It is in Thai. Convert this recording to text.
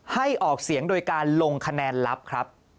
ให้ออกเสียงโดยการลงคะแนนลับครับ